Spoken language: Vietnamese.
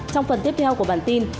trong phần tiếp theo của bản tin